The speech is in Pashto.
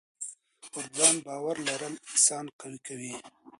پر ځان باور لرل انسان قوي کوي.